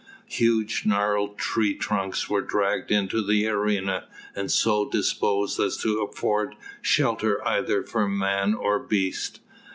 Huge gnarled tree trunks were dragged into the arena, and so disposed as to afford shelter either for man or beast.